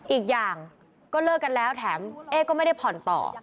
อีกอย่างก็เลิกกันแล้วแถมเอ๊ก็ไม่ได้ผ่อนต่อ